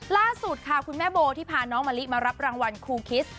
ล่าสุดค่ะคุณแม่โบที่พาน้องมะลิมารับรางวัลครูคิส